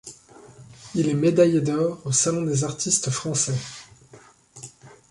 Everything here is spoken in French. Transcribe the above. Il est médaillé d'or au Salon des artistes français.